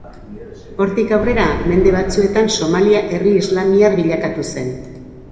Hortik aurrera, mende batzuetan Somalia herri islamiar bilakatu zen.